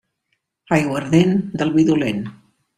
Aiguardent del vi dolent.